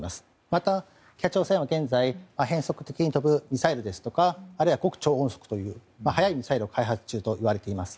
また北朝鮮は現在、変則ミサイルですとか極超音速ミサイルなど速いミサイルを開発中といわれています。